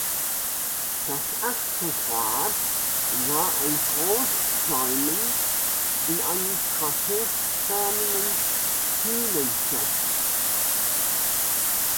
Das achte Grab war ein Großdolmen in einem trapezförmigen Hünenbett.